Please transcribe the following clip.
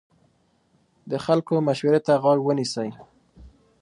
د خلکو مشورې ته غوږ ونیسئ.